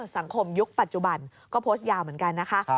ยุคปัจจุบันก็โพสต์ยาวเหมือนกันนะคะ